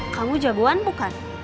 kamu jagoan bukan